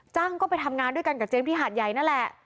จ้างก็ไปทำงานด้วยกันกับเจมส์ที่หาดใหญ่นั่นแหละ